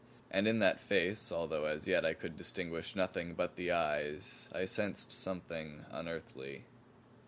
And in that face, although as yet I could distinguish nothing but the eyes, I sensed something unearthly.